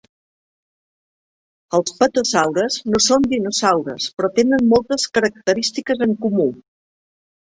Els pterosaures no són dinosaures però tenen moltes característiques en comú.